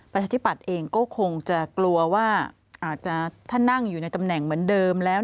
ประชาธิปัตย์เองก็คงจะกลัวว่าอาจจะถ้านั่งอยู่ในตำแหน่งเหมือนเดิมแล้ว